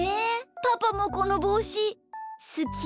パパもこのぼうしすき？